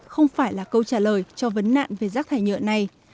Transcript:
không phải là câu trả lời cho vấn nạn về rác thải nhựa này